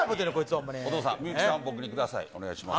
お願いします。